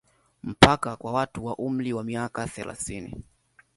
Mpaka kwa watu wa umri wa miaka thelathini